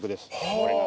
これが。